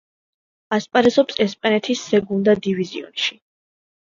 ასპარეზობს ესპანეთის სეგუნდა დივიზიონში.